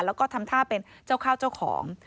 แล้วก็ทำท่าเป็นเจ้าข้าวเจ้าของ